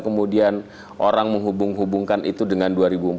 kemudian orang menghubung hubungkan itu dengan dua ribu empat belas